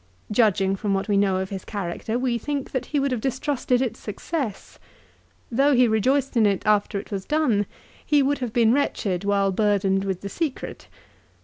Judging from what we know of his character we think that he would have distrusted its success. Though he rejoiced in it after it was done he would have been wretched while burdened with the secret.